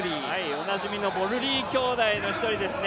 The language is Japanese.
おなじみのボルリー兄弟の一人ですね。